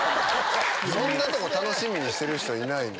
そんなとこ楽しみにしてる人いない。